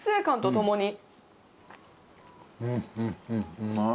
うまい。